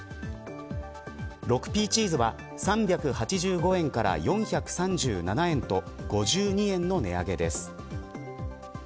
６Ｐチーズは３８５円から４３７円と５２円の値上げです。